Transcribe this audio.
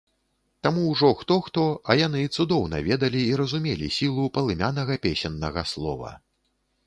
Таму ўжо хто-хто, а яны цудоўна ведалі і разумелі сілу палымянага песеннага слова.